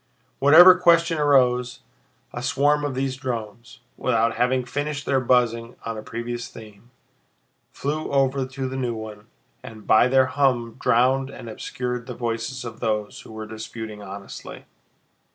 Whatever question arose, a swarm of these drones, without having finished their buzzing on a previous theme, flew over to the new one and by their hum drowned and obscured the voices of those who were disputing honestly.